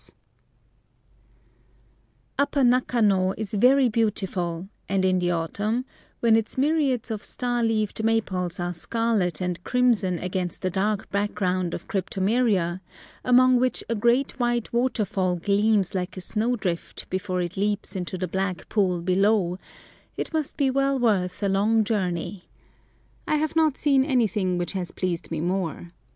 [Picture: Akita Farm House] Upper Nakano is very beautiful, and in the autumn, when its myriads of star leaved maples are scarlet and crimson, against a dark background of cryptomeria, among which a great white waterfall gleams like a snow drift before it leaps into the black pool below, it must be well worth a long journey. I have not seen anything which has pleased me more.